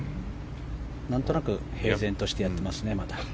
何となく平然としてやってますね。